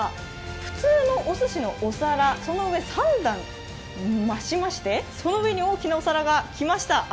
普通のお寿司のお皿、その上３段増しましてその上に大きなお皿が来ました。